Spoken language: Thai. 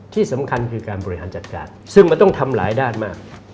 ที่สำคัญคือการบริหารจัดการซึ่งมันต้องทำหลายด้านมาก